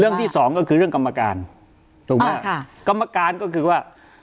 ที่สองก็คือเรื่องกรรมการถูกไหมค่ะกรรมการก็คือว่า